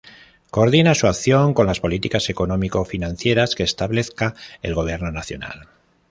Coordina su acción con las políticas económico-financieras que establezca el Gobierno Nacional.